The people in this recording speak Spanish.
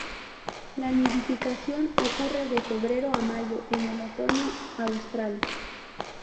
La nidificación ocurre de febrero a mayo, en el otoño austral.